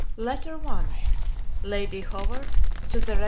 LETTER I LADY HOWARD TO THE REV.